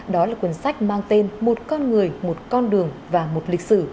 đó là cuốn sách mang tên một con người một con đường và một lịch sử